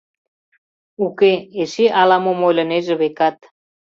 Уке, эше ала-мом ойлынеже, векат.